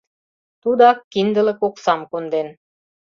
Тудак киндылык оксам конден.